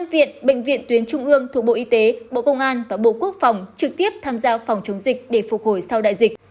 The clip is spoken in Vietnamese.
một mươi viện bệnh viện tuyến trung ương thuộc bộ y tế bộ công an và bộ quốc phòng trực tiếp tham gia phòng chống dịch để phục hồi sau đại dịch